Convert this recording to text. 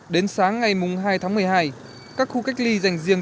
đến sáng ngày hai tháng một mươi hai các khu cách ly dành riêng